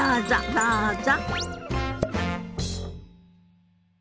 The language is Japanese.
どうぞ。